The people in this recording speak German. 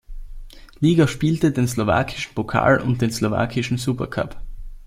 Liga spielte, den Slowakischen Pokal und den Slowakischen Supercup.